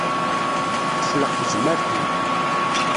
Teclex tezmert-im.